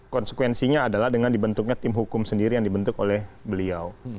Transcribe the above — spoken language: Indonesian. konsekuensinya adalah dengan dibentuknya tim hukum sendiri yang dibentuk oleh beliau